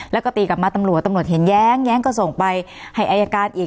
แล้วก็ตีกลับมาตำรวจตำรวจเห็นแย้งแย้งก็ส่งไปให้อายการอีก